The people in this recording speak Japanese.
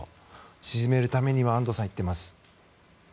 鎮めるためには安藤さん言ってます。